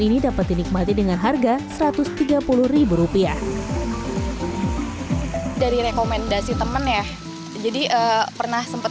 ini dapat dinikmati dengan harga satu ratus tiga puluh rupiah dari rekomendasi teman ya jadi pernah sempat